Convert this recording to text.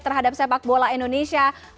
terhadap sepak bola indonesia